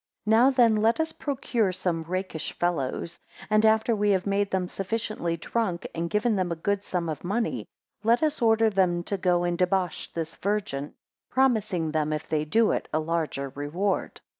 2 Now then let us procure some rakish fellows, and after we have made them sufficiently drunk, and given them a good sum of money, let us order them to go and debauch this virgin, promising them, if they do it, a larger reward.